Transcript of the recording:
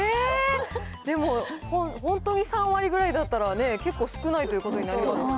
でも本当に３割ぐらいだったら、結構少ないということになります